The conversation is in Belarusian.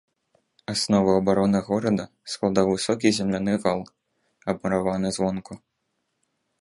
Аснову абароны горада складаў высокі земляны вал, абмураваны звонку.